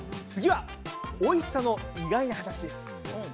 次はおいしさの意外な話です。